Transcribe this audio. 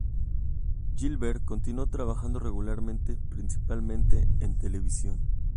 Gilbert continuó trabajando regularmente, principalmente en televisión.